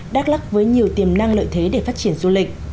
đắk lắc với nhiều tiềm năng lợi thế để phát triển du lịch